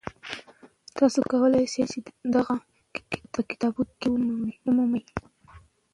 تاسو کولی شئ دغه کتاب په کتابتون کي ومومئ.